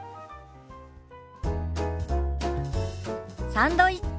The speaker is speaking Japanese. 「サンドイッチ」。